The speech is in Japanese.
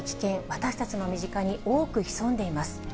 私たちの身近に多く潜んでいます。